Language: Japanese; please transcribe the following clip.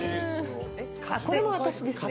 これも私ですね。